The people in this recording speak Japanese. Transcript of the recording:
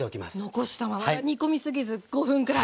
残したまま煮込み過ぎず５分くらい。